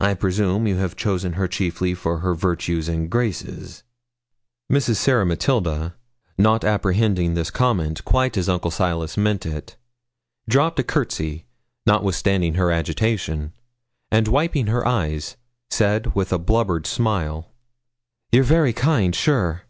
I presume you have chosen her chiefly for her virtues and her graces.' Mrs. Sarah Matilda, not apprehending this compliment quite as Uncle Silas meant it, dropped a courtesy, notwithstanding her agitation, and, wiping her eyes, said, with a blubbered smile 'You're very kind, sure.'